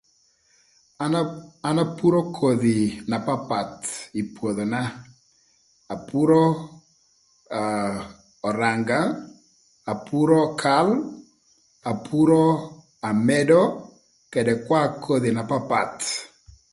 An, an apuro kodhi na paapth ï pwodhona, apuro aa öranga, apuro kal, apuro amedo, këdë kwa kodhi na papath.